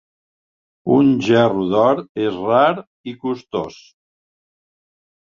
Un gerro d'or és rar i costós.